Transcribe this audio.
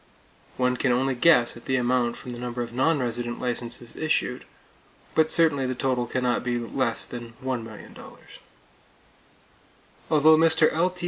One can only guess at the amount from the number of non resident licenses issued; but certainly the total can not be less than $1,000,000. Although Mr. L.T.